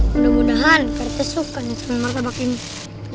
mudah mudahan pak rt suka nih sama pak rt ini